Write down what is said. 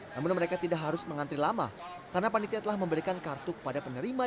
namun mereka tidak harus mengantri lama karena panitia telah memberikan kartu kepada penerima